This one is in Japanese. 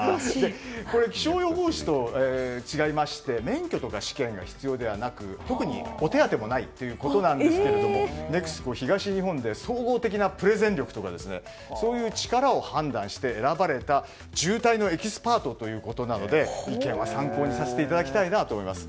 気象予報士と違いまして免許とか試験が必要ではなく特にお手当もないということですけれどもＮＥＸＣＯ東日本で総合的なプレゼン力とかそういう力を判断して選ばれた渋滞のエキスパートということなので意見は参考にさせていただきたいなと思います。